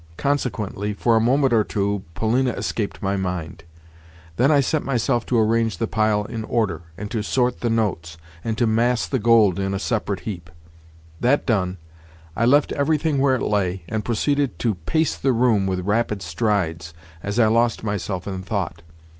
Consequently, for a moment or two Polina escaped my mind. Then I set myself to arrange the pile in order, and to sort the notes, and to mass the gold in a separate heap. That done, I left everything where it lay, and proceeded to pace the room with rapid strides as I lost myself in thought.